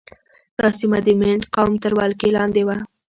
دا سیمه د مینډ قوم تر ولکې لاندې وه.